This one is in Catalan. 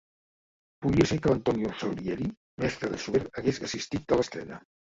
Podria ser que Antonio Salieri, mestre de Schubert, hagués assistit a l'estrena.